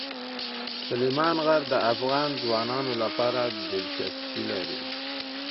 سلیمان غر د افغان ځوانانو لپاره دلچسپي لري.